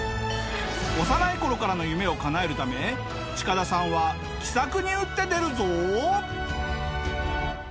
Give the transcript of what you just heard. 幼い頃からの夢をかなえるためチカダさんは奇策に打って出るぞ！